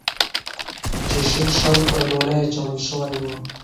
چې شین شال پر ډولۍ اچول شوی و